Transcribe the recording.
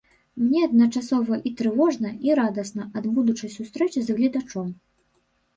Мне адначасова і трывожна, і радасна ад будучай сустрэчы з гледачом.